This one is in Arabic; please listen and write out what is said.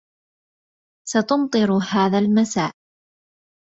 ستمطر هذا المساء.